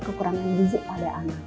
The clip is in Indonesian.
kekurangan gizi pada anak